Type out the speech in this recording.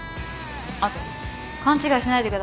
あと勘違いしないでくださいね。